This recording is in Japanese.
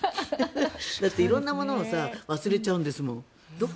だって色んなものを忘れちゃうんですもん。